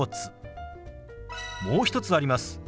もう一つあります。